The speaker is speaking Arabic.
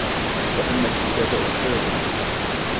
كَأَنَّ الْكِتَابَ أُسْتَاذٌ.